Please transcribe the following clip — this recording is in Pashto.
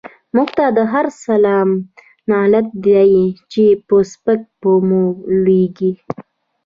مونږ ته هر سلام لعنت دۍ، چی په سپکه په مونږ لویږی